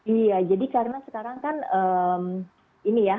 iya jadi karena sekarang kan ini ya